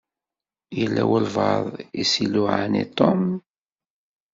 Yella walebɛaḍ i s-iluɛan i Tom.